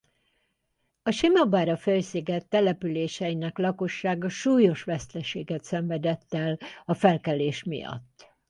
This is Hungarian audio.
A Simabara-félsziget településeinek lakossága súlyos veszteséget szenvedett el a felkelés miatt.